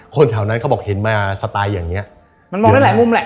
คนแถวนั้นเขาบอกเห็นมาสไตล์อย่างเงี้ยมันมองได้หลายมุมแหละ